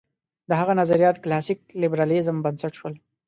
د هغه نظریات کلاسیک لېبرالېزم بنسټ شول.